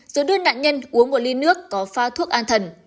rồi đưa nạn nhân uống một ly nước có pha thuốc an thần